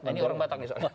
ini orang batak nih soalnya